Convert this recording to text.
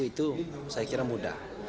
itu saya kira mudah